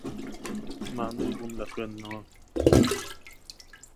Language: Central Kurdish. ماندوو بووم لە خوێندنەوە.